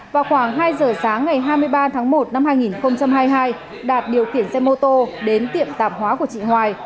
vào khoảng hai giờ sáng ngày hai mươi ba tháng một năm hai nghìn hai mươi hai đạt điều khiển xe mô tô đến tiệm tạp hóa của chị hoài